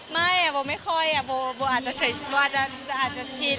ไม่อะบอกไม่ค่อยบอกอาจจะชิน